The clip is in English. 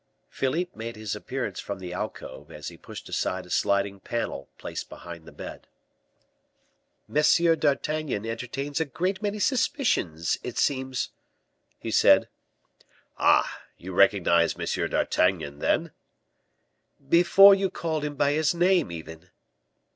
Philippe made his appearance from the alcove, as he pushed aside a sliding panel placed behind the bed. "M. d'Artagnan entertains a great many suspicions, it seems," he said. "Ah! you recognized M. d'Artagnan, then?" "Before you called him by his name, even."